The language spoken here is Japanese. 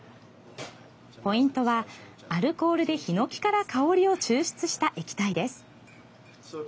ポイントはアルコールでひのきから香りを抽出した液体です。